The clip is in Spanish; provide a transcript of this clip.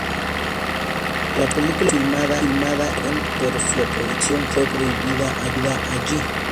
La película fue filmada en Irán pero su proyección fue prohibida allí.